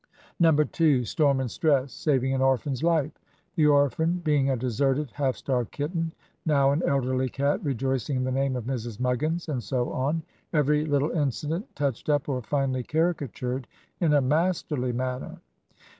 "No. II. Storm and Stress. Saving an Orphan's Life the Orphan being a deserted, half starved kitten, now an elderly cat rejoicing in the name of Mrs. Muggins;" and so on. Every little incident touched up or finely caricatured in a masterly manner.